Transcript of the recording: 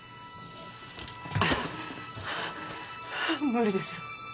無理です